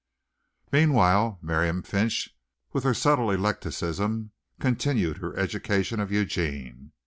Meanwhile Miriam Finch with her subtle eclecticism continued her education of Eugene.